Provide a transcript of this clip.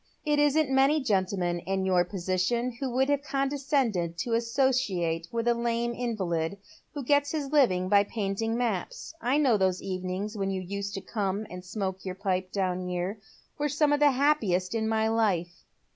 It isn't many gentlemen in your position who would have condescended to associate with a lame invalid, who gets his living by painting maps. I know those evenings when you used to come and smoke your pipe down here were some of the happiest in my life."